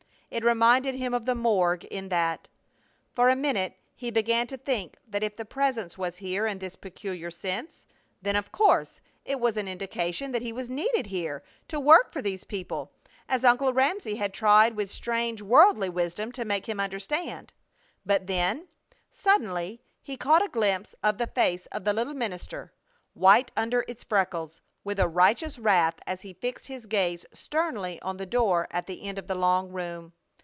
It reminded him of the morgue in that. For a minute he began to think that if the Presence was here in this peculiar sense, then, of course, it was an indication that he was needed here to work for these people, as Uncle Ramsey had tried with strange worldly wisdom to make him understand. But then, suddenly, he caught a glimpse of the face of the little minister, white under its freckles, with a righteous wrath as he fixed his gaze sternly on the door at the end of the long room.